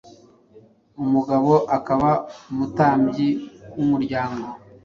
umugabo akaba umutambyi w’umuryango